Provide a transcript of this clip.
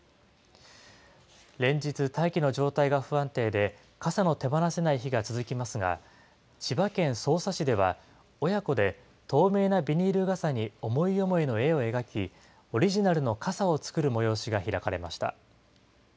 連日、大気の状態が不安定で、傘の手放せない日が続きますが、千葉県匝瑳市では、親子で透明なビニール傘に思い思いの絵を描き、オリジナルの傘を作る催しが開かれました。